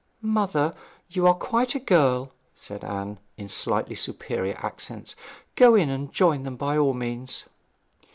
'Mother, you are quite a girl,' said Anne in slightly superior accents. 'Go in and join them by all means.'